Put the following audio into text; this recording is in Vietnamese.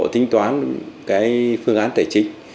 tính toán cái phương án tài trích